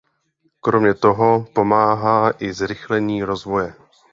Kromě toho pomáhá i zrychlení rozvoje.